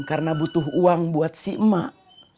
karena butuh uang buat si emak